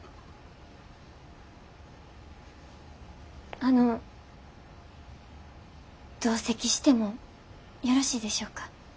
あの同席してもよろしいでしょうか？